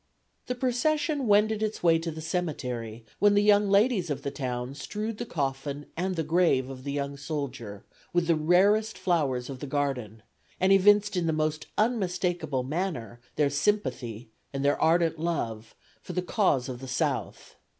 "The procession wended its way to the cemetery, when the young ladies of the town strewed the coffin and the grave of the young soldier with the rarest flowers of the garden, and evinced in the most unmistakable manner their sympathy and their ardent love for the cause of the South.